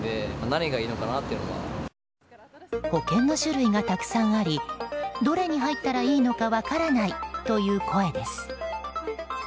保険の種類がたくさんありどれに入ったらいいのか分からないという声です。